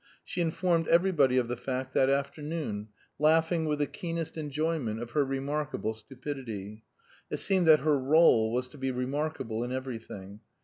She informed everybody of the fact that afternoon, laughing with the keenest enjoyment of her remarkable stupidity; it seemed that her rôle was to be remarkable in everything.